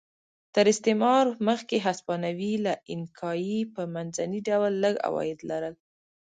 تر استعمار مخکې هسپانوي له اینکایي په منځني ډول لږ عواید لرل.